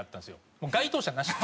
もう該当者なしに。